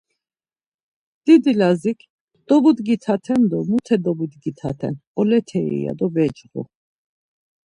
Didi Lazik, Dobudgitaten do mute dobudgitaten, oletei ya do becğu.